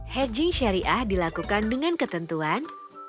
haji syariah dilakukan dengan ketentuan